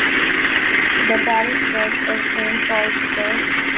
The parish church is Saint Paul's Church.